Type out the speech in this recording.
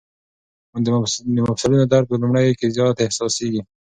د مفصلونو درد په لومړیو کې زیات احساسېږي.